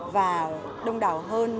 và đông đảo hơn